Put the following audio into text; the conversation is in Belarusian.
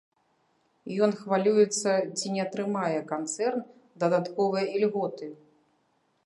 Ён хвалюецца, ці не атрымае канцэрн дадатковыя ільготы.